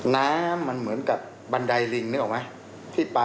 น้ำมันเหมือนกับบันไดลิงนึกออกไหม